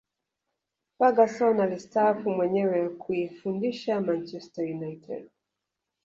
ferguson alistaafu mwenyewe kuifundisha manchester united